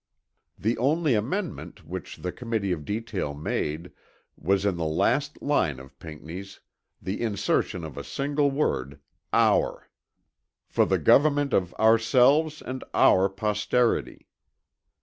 The only amendment which the Committee of Detail made, was in the last line of Pinckney's, the insertion of a single word "our," "for the government of ourselves and our posterity."